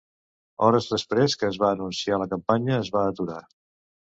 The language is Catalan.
Hores després que es va anunciar la campanya es va aturar.